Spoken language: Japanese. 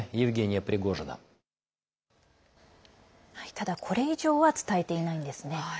ただ、これ以上は伝えていないんですね。